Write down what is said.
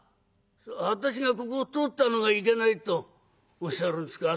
私がここを通ったのがいけないとおっしゃるんですか。